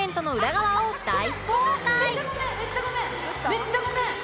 めっちゃごめん！